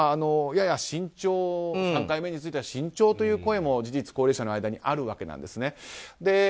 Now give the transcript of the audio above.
やや３回目については慎重という声も事実、高齢者の間にあるわけなんですね。